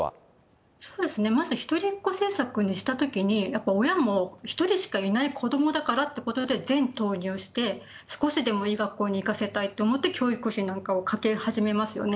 そうですね、まず１人っ子政策にしたときに、親も１人しかいない子どもだからってことで、全投入して、少しでもいい学校に行かせたいって思って教育費なんかをかけ始めますよね。